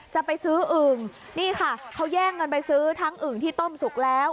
จะไปซื้ออึ่งนี่ค่ะเขาแย่งเงินไปซื้อทั้งอึ่งที่ต้มสุกแล้ว